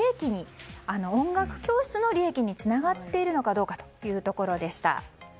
音楽教室の利益につながっているのかどうかというところでした。